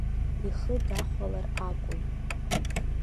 Ихы дахәалар акәын.